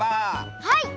はい！